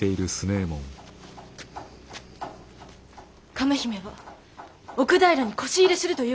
亀姫は奥平にこし入れするということでございますよ。